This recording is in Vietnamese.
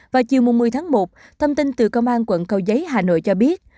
vào chiều một mươi tháng một thông tin từ công an quận cầu giấy hà nội cho biết